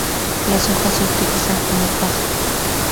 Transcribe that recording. Las hojas se utilizan como paja.